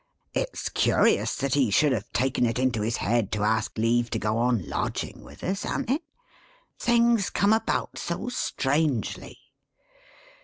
It's curious that he should have taken it into his head to ask leave to go on lodging with us; an't it? Things come about so strangely."